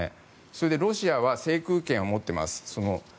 それでロシアは制空権を持っています。